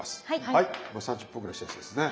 はいもう３０分ぐらいしたやつですね。